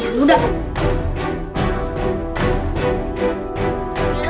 hantu berkepala kuda